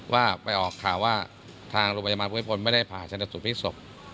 ว่าไปออกข่าวว่าทางโรงพยาบาลภูมิพลไม่ได้ผ่าชนสูตรพลิกศพ